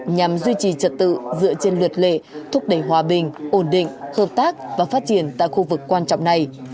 nhằm duy trì trật tự dựa trên luật lệ thúc đẩy hòa bình ổn định hợp tác và phát triển tại khu vực quan trọng này